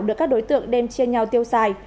được các đối tượng đem chia nhau tiêu xài